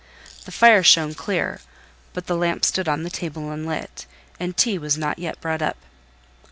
The fire shone clear, but the lamp stood on the table unlit, and tea was not yet brought up.